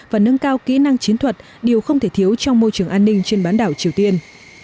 và nâng cao kỹ năng chiến thuật điều không thể thiếu trong môi trường an ninh trên bán đảo triều tiên